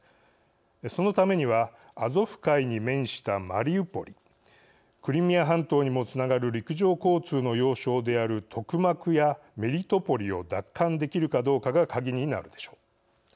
そのためにはアゾフ海に面したマリウポリクリミア半島にもつながる陸上交通の要衝であるトクマクやメリトポリを奪還できるかどうかが鍵になるでしょう。